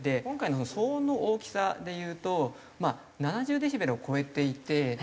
今回の騒音の大きさで言うとまあ７０デシベルを超えていて。